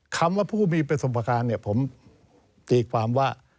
คำว่าผู้มีประสบการณ์เนี่ยผมตีความว่า